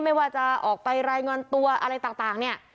ไม่ว่าจะออกไปรายงานตัวอะไรต่างเนี่ย